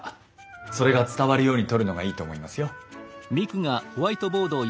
それが伝わるように撮るのがいいと思いますよ。